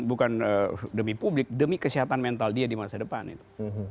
bukan demi publik demi kesehatan mental dia di masa depan itu